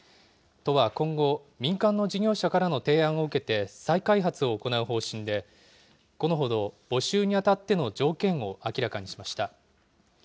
都は今後、民間の事業者からの提案を受けて再開発を行う方針で、このほど募集にあたっての条件を明らかにしました。